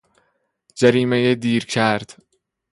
جریمهی دیرکرد